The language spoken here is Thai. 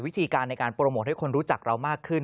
วิธีการในการโปรโมทให้คนรู้จักเรามากขึ้น